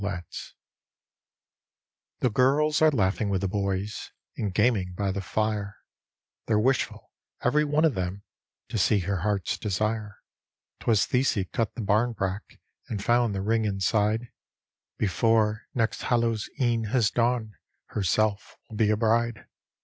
letts The girls are laughing with the boys, and gaming by the fire, They're wishful, every one of them, to see her heart's desire, "Twas Thesie cut the bambrack and found the ring in side, Before next Hallows' E'en has dawned herself will be a bride.